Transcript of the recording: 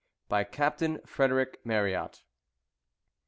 By CAPTAIN FREDERICK MARRYAT.